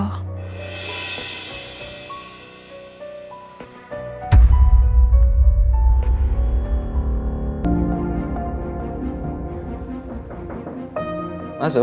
tapi aku juga takut